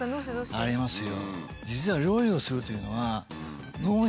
ありますよ。